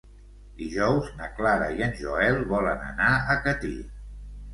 Dijous na Clara i en Joel volen anar a Catí.